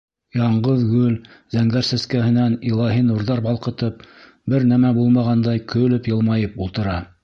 Яңғыҙ гөл, зәңгәр сәскәһенән илаһи нурҙар балҡытып, бер нәмә булмағандай көлөп-йылмайып ултыра.